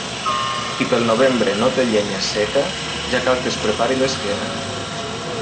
Qui pel novembre no té llenya seca, ja cal que es prepari l'esquena.